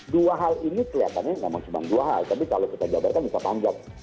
dua hal ini kelihatannya memang cuma dua hal tapi kalau kita jabarkan bisa panjang